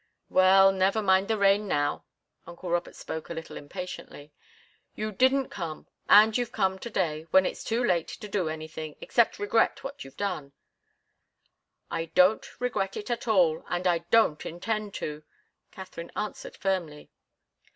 "Well never mind the rain now!" Uncle Robert spoke a little impatiently. "You didn't come and you've come to day, when it's too late to do anything except regret what you've done." "I don't regret it at all and I don't intend to," Katharine answered firmly.